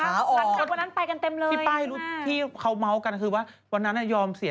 หาออกพี่ป้ายรู้ที่เขาเมาะกันคือว่าวันนั้นยอมเสีย